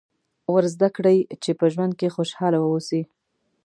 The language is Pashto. ور زده کړئ چې په ژوند کې خوشاله واوسي.